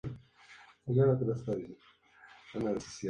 Hija del periodista Eduardo Muñoz García.